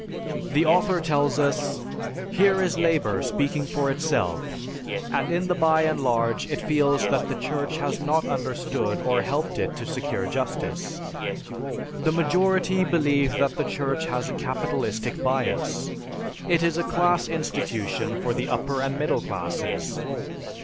The author tells us, "Here is labor speaking for itself, and in the by and large it feels that the Church has not understood or helped it to secure justice. The majority believe that the Church has a capitalistic bias. It is a class institution for the upper and middle classes."